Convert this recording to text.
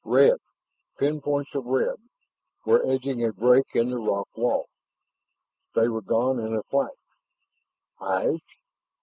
Red pinpoints of red were edging a break in the rock wall. They were gone in a flash. Eyes?